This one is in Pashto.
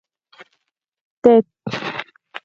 تت